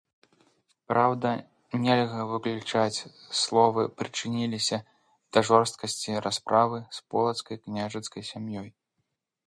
Праўда, нельга выключаць, словы прычыніліся да жорсткасці расправы з полацкай княжацкай сям'ёй.